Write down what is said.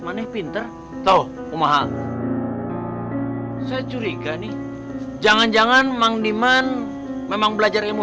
manis pinter lho umang saya curiga nih jangan jangan mang diman memang belajar ilmu